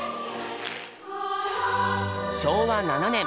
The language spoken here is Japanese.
昭和７年。